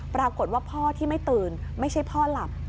ปรากฏว่าพ่อที่ไม่ตื่นไม่ใช่พ่อหลับ